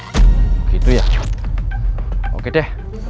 begitu ya oke deh